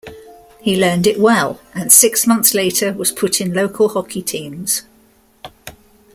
He learned it well, and six months later was put in local hockey teams.